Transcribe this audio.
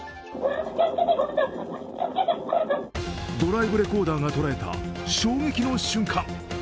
ドライブレコーダーが捉えた衝撃の瞬間。